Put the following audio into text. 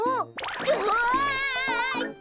うわっと！